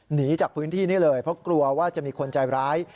หนีจากพื้นที่นี้เลยเพราะกลัวว่าจะมีคนใจร้าย